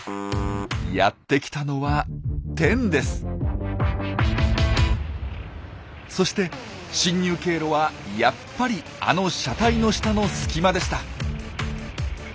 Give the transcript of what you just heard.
やってきたのはそして侵入経路はやっぱりあの車体の下の隙間でした。